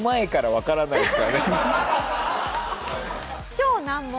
超難問！